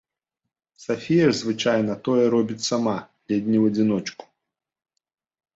Сафія ж звычайна тое робіць сама, ледзь не ў адзіночку.